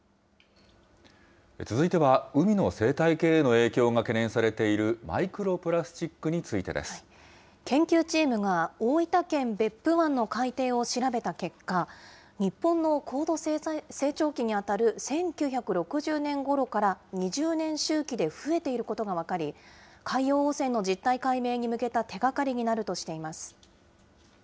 続いては海の生態系への影響が懸念されているマイクロプラス研究チームが大分県別府湾の海底を調べた結果、日本の高度成長期に当たる１９６０年ごろから２０年周期で増えていることが分かり、海洋汚染の実態解明に向けた手がかりになるとしています。